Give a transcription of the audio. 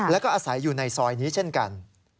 แล้วก็อาศัยอยู่ในซอยนี้เช่นกัน